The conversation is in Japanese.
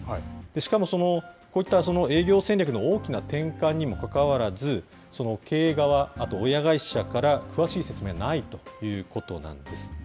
しかもその、こういった営業戦略の大きな転換にもかかわらず、経営側、あと親会社から詳しい説明がないということなんです。